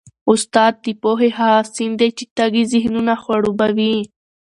استاد د پوهې هغه سیند دی چي تږي ذهنونه خړوبوي.